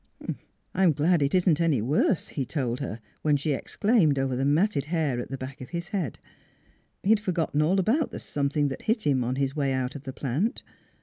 " I'm glad it isn't any worse," he told her, NEIGHBORS 315 when she exclaimed over the matted hair at the back of his head. He had forgotten all about the something that hit him on his way out of the plant.